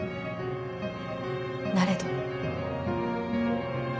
なれど。